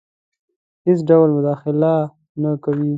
هیڅ ډول مداخله نه کوي.